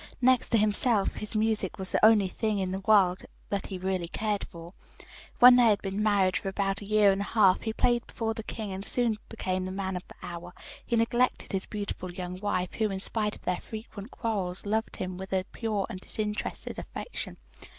Next to himself, his music was the only thing in the world that he really cared for. When they had been married for about a year and a half he played before the king, and soon became the man of the hour. He neglected his beautiful young wife, who, in spite of their frequent quarrels, loved him with a pure and disinterested affection.